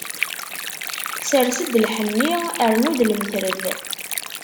Sers-d lḥenni, rnu-d lmetred.